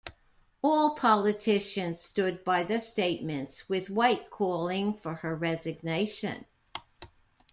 All politicians stood by their statements with Whyte calling for her resignation.